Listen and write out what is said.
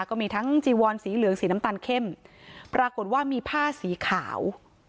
ก็มีทั้งจีวอนสีเหลืองสีน้ำตาลเข้มปรากฏว่ามีผ้าสีขาว